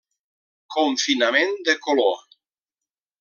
Confinament de color.